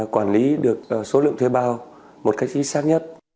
quản lý được số lượng thuê bao một cách chính xác nhất